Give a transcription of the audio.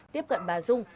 tiếp cận bà dung